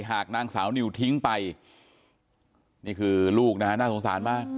หากนางสาวนิวทิ้งไปนี่คือลูกนะฮะน่าสงสารมาก